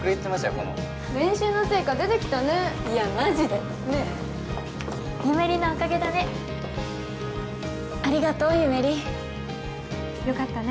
この練習の成果出てきたねいやマジでねっゆめ莉のおかげだねありがとうゆめ莉よかったね